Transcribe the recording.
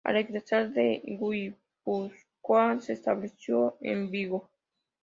Al regresar de Guipúzcoa se estableció en Vigo.